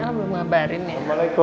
di alm belum menghabarin ya